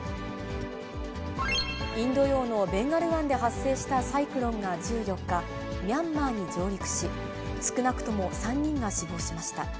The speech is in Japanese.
インド洋のベンガル湾で発生したサイクロンが１４日、ミャンマーに上陸し、少なくとも３人が死亡しました。